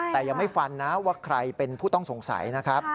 แต่ยังไม่ฟันนะว่าใครเป็นผู้ต้องสงสัยนะครับ